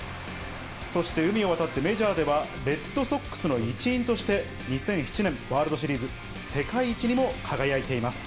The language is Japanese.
そして、海を渡ってメジャーでは、レッドソックスの一員として、２００７年、ワールドシリーズ世界一にも輝いています。